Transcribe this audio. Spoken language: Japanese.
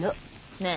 ねえ。